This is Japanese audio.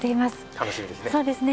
楽しみですね。